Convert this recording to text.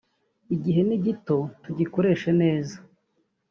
igihe ni gito tugikoreshe neza